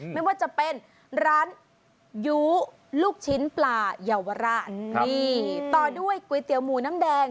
ไม่ว่าจะเป็นร้านยู้ลูกชิ้นปลาเยาวราชนี่ต่อด้วยก๋วยเตี๋ยวหมูน้ำแดง